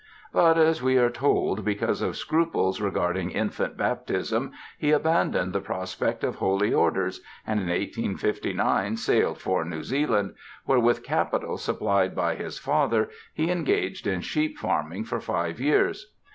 But, as we are told, because of scruples regarding infant baptism he abandoned the prospect of holy orders and in 1859 sailed for New Zealand, where with capital supplied by his father he engaged in sheep farming for five years.